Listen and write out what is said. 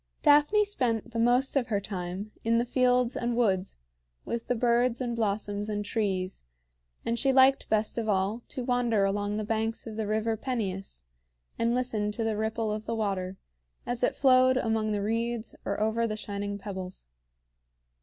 Daphne spent the most of her time in the fields and woods, with the birds and blossoms and trees; and she liked best of all to wander along the banks of the River Peneus, and listen to the ripple of the water as it flowed among the reeds or over the shining pebbles.